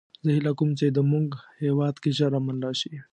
زه هیله کوم چې د مونږ هیواد کې ژر امن راشي